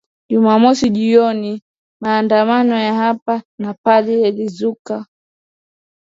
Jumamosi jioni maandamano ya hapa na pale yalizuka